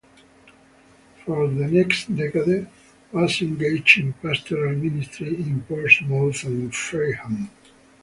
For the next decade was engaged in pastoral ministry in Portsmouth and Fareham.